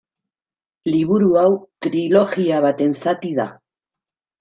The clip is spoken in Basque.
Liburu hau trilogia baten zati da.